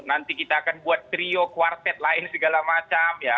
nanti kita akan buat trio quartet lain segala macam ya